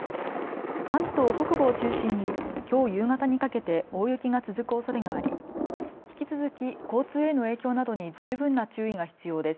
関東北部を中心にきょう夕方にかけて大雪が続くおそれがあり引き続き交通への影響などに十分な注意が必要です。